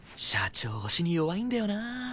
社長押しに弱いんだよなあ。